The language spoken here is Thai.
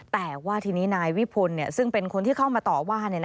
แต่ว่าทีนี้นายวิพลซึ่งเป็นคนที่เข้ามาต่อว่า